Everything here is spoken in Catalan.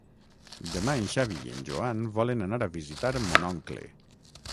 Demà en Xavi i en Joan volen anar a visitar mon oncle.